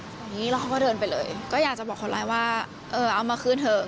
อย่างงี้แล้วเขาก็เดินไปเลยก็อยากจะบอกคนร้ายว่าเออเอามาคืนเถอะ